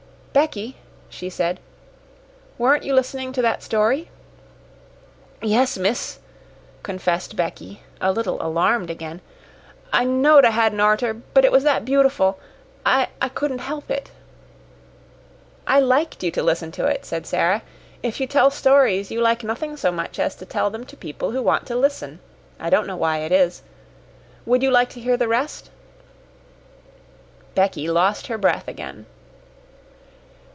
"Becky," she said, "weren't you listening to that story?" "Yes, miss," confessed Becky, a little alarmed again. "I knowed I hadn't orter, but it was that beautiful I I couldn't help it." "I liked you to listen to it," said Sara. "If you tell stories, you like nothing so much as to tell them to people who want to listen. I don't know why it is. Would you like to hear the rest?" Becky lost her breath again.